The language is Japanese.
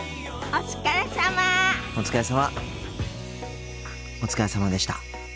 お疲れさまでした。